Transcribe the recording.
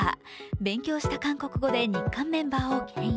勉強した韓国語で日韓メンバーをけん引。